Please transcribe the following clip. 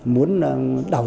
muốn đào chân